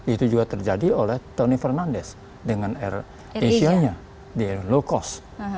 itu juga terjadi oleh tony fernandes dengan air asia nya di low cost